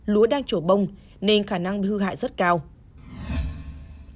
lúa đang trổ bông nên khả năng hư hại rất cao